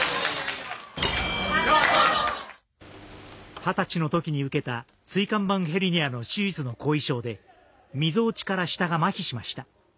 ２０歳のときに受けた椎間板ヘルニアの手術の後遺症でみぞおちから下がまひしました。